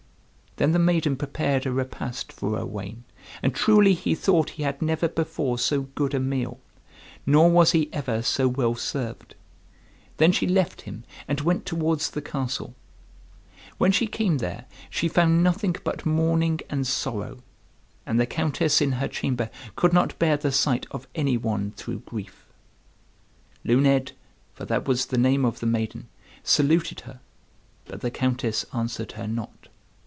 Then the maiden prepared a repast for Owain, and truly he thought he had never before so good a meal, nor was he ever so well served. Then she left him, and went towards the castle. When she came there, she found nothing but mourning and sorrow; and the Countess in her chamber could not bear the sight of any one through grief. Luned, for that was the name of the maiden, saluted her, but the Countess answered her not.